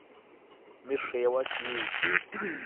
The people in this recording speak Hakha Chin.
Mi hreu a si.